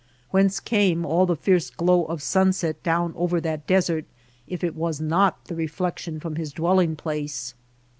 Whence came all the fierce glow of sunset down over that desert if it was not the refiection from his dwelling place